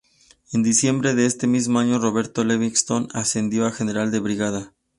En diciembre de ese mismo año Roberto Levingston ascendió a General de Brigada.